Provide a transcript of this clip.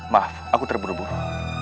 maaf aku terburu buru